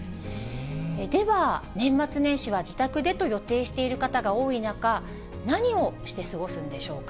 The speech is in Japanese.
では、年末年始は自宅でと予定している方が多い中、何をして過ごすんでしょうか。